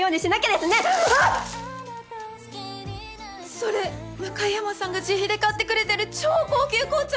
それ向山さんが自費で買ってくれてる超高級紅茶！